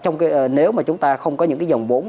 nếu mà chúng ta không có những cái dòng vốn